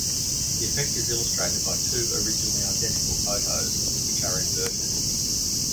The effect is illustrated by two originally identical photos, which are inverted.